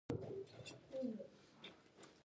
د مثانې د سوزش لپاره د وربشو اوبه وڅښئ